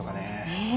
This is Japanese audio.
ねえ。